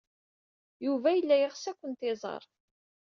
Yuba yella yeɣs ad kent-iẓer.